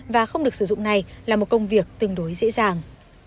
và không được sử dụng này là một công việc tương đối dễ dàng